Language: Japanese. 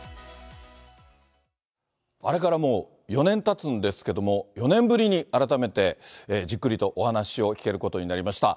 あれからもう、４年たつんですけども、４年ぶりに改めてじっくりとお話を聞けることになりました。